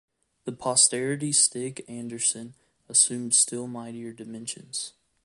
To posterity Stig Andersen assumed still mightier dimensions.